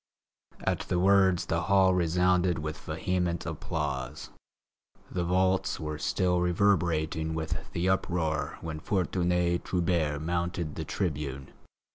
At the words the hall resounded with vehement applause. The vaults were still reverberating with the uproar when Fortuné Trubert mounted the tribune.